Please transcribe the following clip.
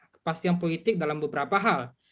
kepastian politik dalam beberapa hal